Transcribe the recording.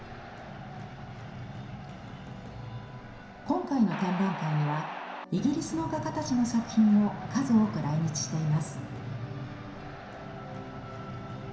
今回の展覧会にはイギリスの画家たちの作品も数多く来日しています。